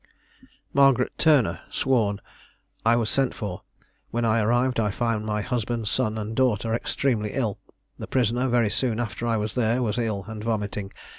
Margaret Turner sworn. I was sent for. When I arrived I found my husband, son, and daughter, extremely ill. The prisoner, very soon after I was there, was ill, and vomiting.